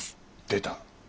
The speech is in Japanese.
出た。